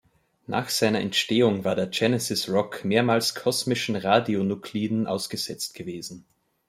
Nach seiner Entstehung war der Genesis Rock mehrmals kosmischen Radionukliden ausgesetzt gewesen.